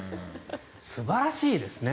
素晴らしいですね。